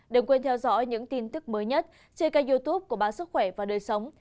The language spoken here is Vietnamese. đừng quên theo dõi những tin tức mới nhất trên kênh youtube của báo sức khỏe và đời sống